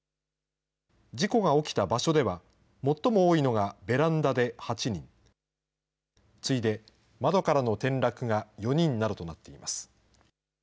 事故が起きた場所では、最も多いのがベランダで８人、次いで窓からの転落が４人などとなっています。